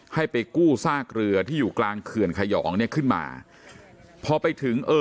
ให้ไปกู้ซากเรือที่อยู่กลางเขื่อนขยองเนี่ยขึ้นมาพอไปถึงเออ